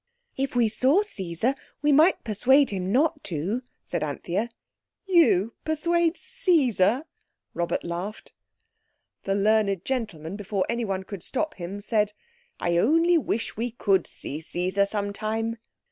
"If we saw Caesar we might persuade him not to," said Anthea. "You persuade Caesar," Robert laughed. The learned gentleman, before anyone could stop him, said, "I only wish we could see Caesar some time."